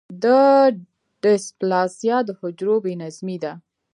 د ډیسپلاسیا د حجرو بې نظمي ده.